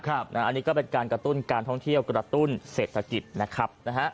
อันนี้ก็เป็นการกระตุ้นการท่องเที่ยวกระตุ้นเศรษฐกิจนะครับ